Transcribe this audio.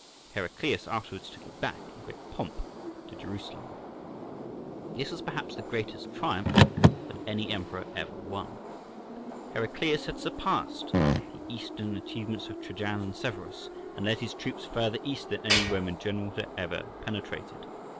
Heraclius afterwards took it back in great pomp to Jerusalem. This was, perhaps, the greatest triumph that any emperor ever won. Heraclius had surpassed the eastern achievements of Trajan and Severus, and led his troops further east than any Roman general had ever penetrated.